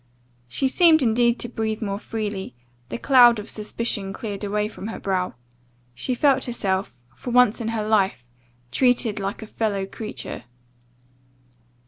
She seemed indeed to breathe more freely; the cloud of suspicion cleared away from her brow; she felt herself, for once in her life, treated like a fellow creature.